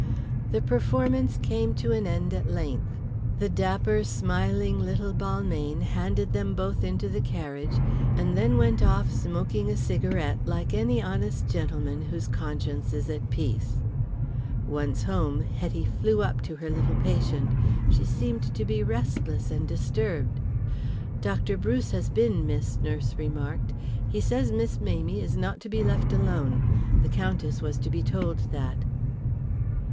The performance came to an end at length. The dapper, smiling little Balmayne handed them both into the carriage and then went off smoking a cigarette like any honest gentleman whose conscience is at peace. Once home Hetty flew up to her little patient. She seemed to be restless and disturbed. "Dr. Bruce has been, miss," nurse remarked. "He says Miss Mamie is not to be left alone. The Countess was to be told that."